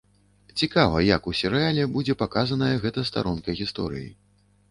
Цікава, як у серыяле будзе паказаная гэтая старонка гісторыі?